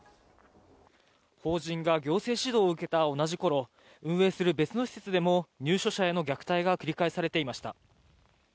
法人が行政指導を受けた同じころ運営する別の施設でも入所者への虐待が繰り返されていました。